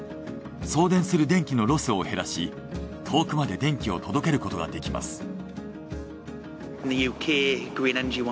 送電する電気のロスを減らし遠くまで電気を届けることができます。